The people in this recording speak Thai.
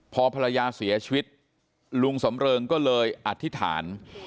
พอภรรยาเสียชีวิตลุงสำเริงก็เลยอธิษฐาน